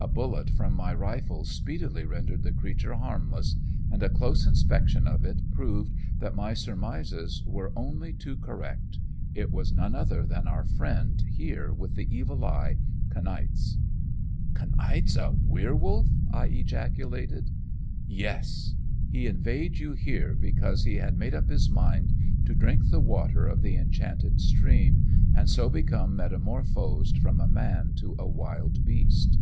A bullet from my rifle speedily rendered the creature harmless, and a close inspection of it proved that my surmises were only too correct. It was none other than our friend here with the evil eye Kniaz!' "'Kniaz a werwolf!' I ejaculated. "'Yes! he inveigled you here because he had made up his mind to drink the water of the enchanted stream, and so become metamorphosed from a man to a wild beast.